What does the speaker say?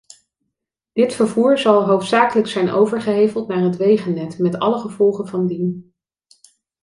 Dit vervoer zal hoofdzakelijk zijn overgeheveld naar het wegennet met alle gevolgen van dien.